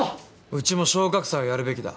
うちも昇格祭をやるべきだ。